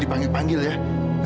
kita sampai aksan